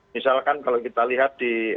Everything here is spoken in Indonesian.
misalkan kalau kita lihat di